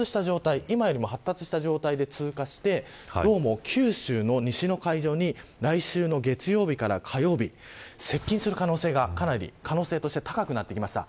金曜日から土曜日あたり今度は今よりも発達した状態で通過してどうも九州の西の海上に来週の月曜日から火曜日接近する可能性がかなり高くなってきました。